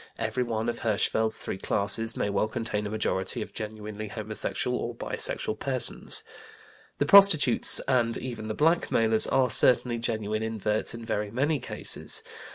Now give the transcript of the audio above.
Everyone of Hirschfeld's three classes may well contain a majority of genuinely homosexual or bisexual persons. The prostitutes and even the blackmailers are certainly genuine inverts in very many cases.